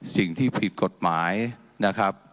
สิ่งที่ผิดกฎหมายนะครับ